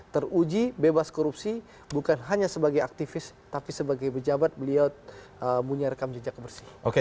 teruji bebas kursi dan berusaha untuk mencapai kepentingan yang diperlukan di jawa tengah